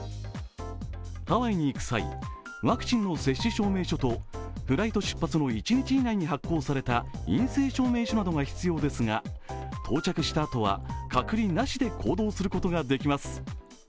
ハワイに行く際ワクチンの接種証明書とフライト出発の一日以内に発行された陰性証明書などが必要ですが到着したあとは隔離なしで行動することができます。